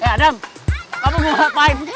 adam kamu mau ngapain